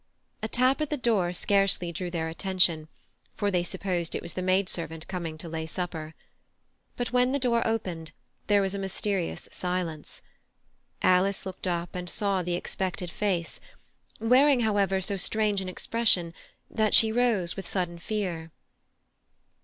A tap at the door scarcely drew their attention, for they supposed it was the maid servant coming to lay supper. But when the door opened there was a mysterious silence; Alice looked up and saw the expected face, wearing, however, so strange an expression that she rose with sudden fear.